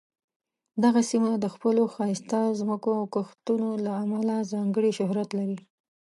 دغه سیمه د خپلو ښایسته ځمکو او کښتونو له امله ځانګړې شهرت لري.